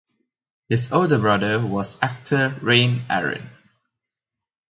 His older brother was actor Rein Aren.